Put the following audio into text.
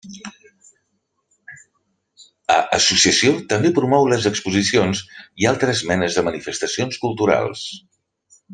A associació també promou les exposicions i altres menes de manifestacions culturals.